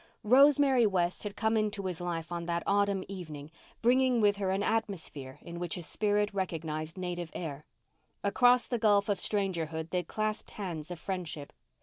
Rosemary West had come into his life on that autumn evening bringing with her an atmosphere in which his spirit recognized native air. Across the gulf of strangerhood they clasped hands of friendship.